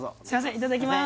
いただきます